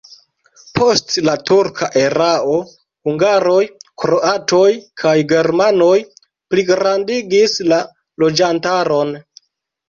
Post la turka erao hungaroj, kroatoj kaj germanoj pligrandigis la loĝantaron.